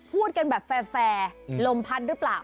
พูดกันแบบแฟร์ลมพันธุ์ด้วยเปล่า